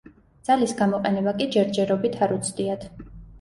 ძალის გამოყენება კი ჯერჯერობით არ უცდიათ.